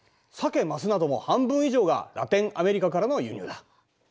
サケ・マスなども半分以上がラテンアメリカからの輸入だ。